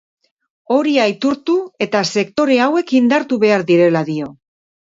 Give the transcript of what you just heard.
Hori aitortu eta sektore hauek indartu behar direla dio.